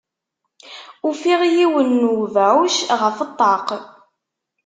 Ufiɣ yiwen n webɛuc ɣef ṭṭaq.